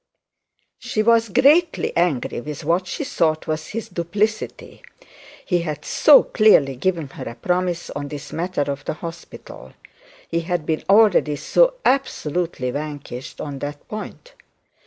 She was greatly angry with what she thought was his duplicity. He had so clearly given her a promise on this matter of the hospital. He had been already so absolutely vanquished on that point.